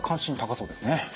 そうですね。